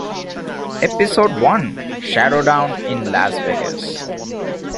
Episode one, "Showdown in Las Vegas".